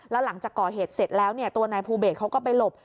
แล้วหลังจากก่อเหตุเสร็จแล้วตัวนายภูเบสเขาก็ไปหลบ